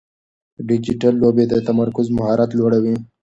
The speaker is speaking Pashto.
ډیجیټل لوبې د تمرکز مهارت لوړوي.